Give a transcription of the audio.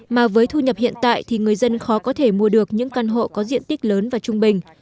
mà với thu nhập hiện tại thì người dân khó có thể mua được những căn hộ có diện tích lớn và trung bình